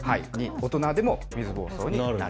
大人でも水ぼうそうになる。